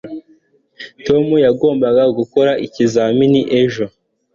tom yagombaga gukora ikizamini ejo